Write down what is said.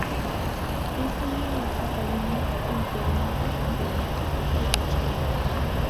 Es una de las academias integrantes del Instituto de Chile.